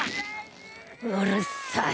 うるさい。